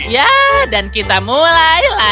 ya dan kita mulai lagi